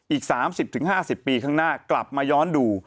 อีก๓๐๕๐ปีข้างหน้ากลับมาย้อนดู